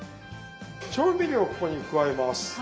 調味料をここに加えます。